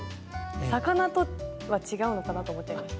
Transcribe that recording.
魚とは違うのかなと思っちゃいました。